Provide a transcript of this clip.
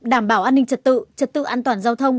đảm bảo an ninh trật tự trật tự an toàn giao thông